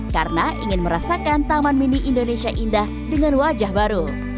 karena ingin merasakan taman mini indonesia indah dengan wajah baru